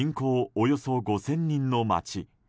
およそ５０００人の町。